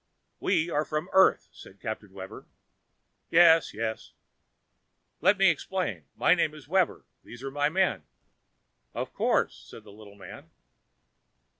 "We are from Earth," said Captain Webber. "Yes, yes." "Let me explain: my name is Webber, these are my men." "Of course," said the little man.